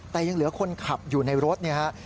แต่ยังเหลือคนขับอยู่ในรถเนี่ยฮะ